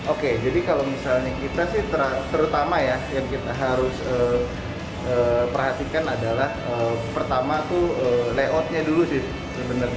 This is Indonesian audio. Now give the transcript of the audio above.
oke jadi kalau misalnya kita sih terutama ya yang kita harus perhatikan adalah pertama itu layoutnya dulu sih sebenarnya